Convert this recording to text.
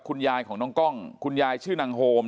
คุณยายของน้องกล้องคุณยายชื่อนางโฮม